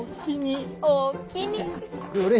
どれ？